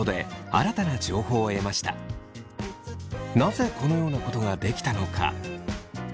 なぜこのようなことができたのか。